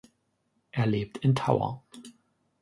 Er lebt in Thaur.